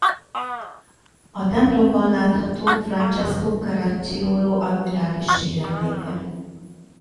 A templomban látható Francesco Caracciolo admirális síremléke.